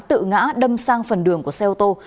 tự ngã đâm sang phần đường của xe ô tô